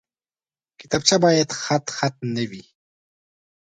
کتابچه باید خطخط نه وي